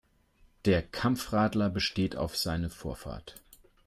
Der Kampfradler besteht auf seine Vorfahrt.